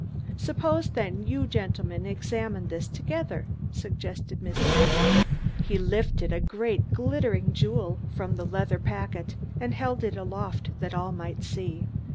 "Suppose, then, you gentlemen examine this together," suggested Mr. Wynne. He lifted a great glittering jewel from the leather packet and held it aloft that all might see.